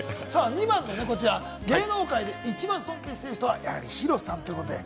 ２番ですね、芸能界で一番尊敬している人はＨＩＲＯさんということで。